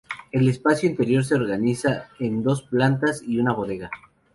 El espacio interior se organiza en dos plantas y una bodega.